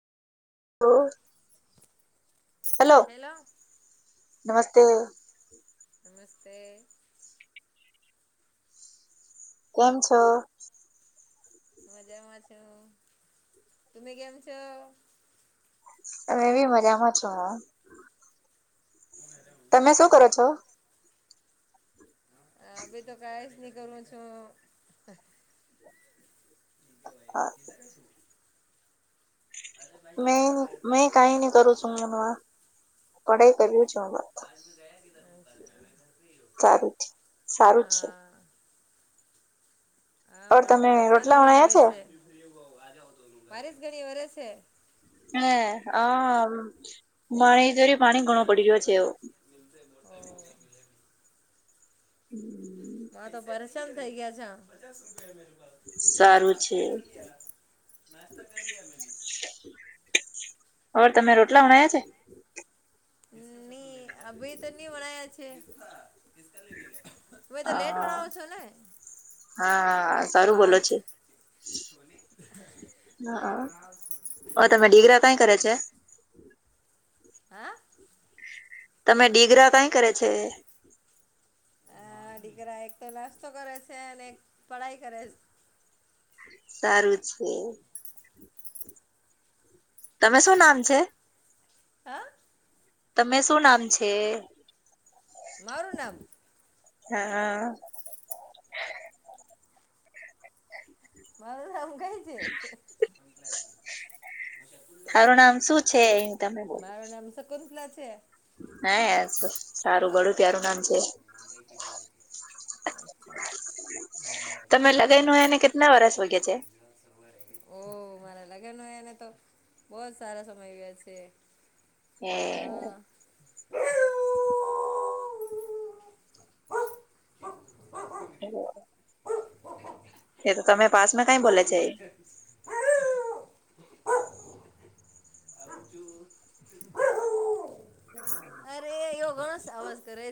હાલો hello hello નમસ્તે. નમસ્તે કેમ છો? મજામાં છું. તુમે કેમ છો? તમે એવી મજામાં છો. તમે અચ્છા શું કરો છો? હા ભી તો કાંઈ જ નહી કરવું છું. હા મે મેં કઈ નઈ કરું છું હું મમ પઢાઈ કર્યું છું હ સારું સારું જ છે હા હા પણ મને તો તમે વરસાદ રોટલા ગણી વણાયા આવે છે બારિસ ઘણી વરે છે. હ હ મારે [unintelligible] [unintelligible] તો પરેશાન થઇ ગયા છે. સારું છે [unintelligible] ઓર તમે રોટલા બનાયા છે? ની અભીય તો ની વણાયા છે. હવે તો હ લેટ વણાવો છો ને? હા સારું બોલો ભાત છે હા ઓ તમે ડિગરા કઈ કરે છે. હા તમે ડીગરા કઈ કરે છે? અ દીકરા એક તો નાસ્તો કરે છે અને પઢાઈ કરે છે. સારું છે. તમે શું નામ છે? હા તમે શું નામ છે? મારું નામ? હા હા મારું આ કાય છે. તારું નામ શું [unintelligible] છે એ તમે બોલ મારુ નામ શકુંતલા છે. હે સારું બડું પ્યારું નામ છે. મુંબઈથી બોલે અચ્છ તમે લગન હોય એને કેટલા વરસ હોઈ ગયા છે? ઓ મારા લગન હો એને તો બહુ જ સારા સમય હો ગયા છે. હે હા હોવ. [inaudible] એ તો તમે પાસમાં કઈ બોલા છે. અચૂ અરે એવો ઘણો અવાજ કરે.